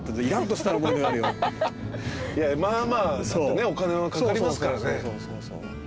まあまあお金はかかりますからね。